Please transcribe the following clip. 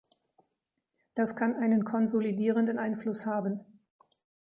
Das kann einen konsolidierenden Einfluss haben.